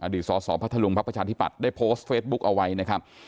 สสพัทธลุงพักประชาธิปัตย์ได้โพสต์เฟซบุ๊คเอาไว้นะครับ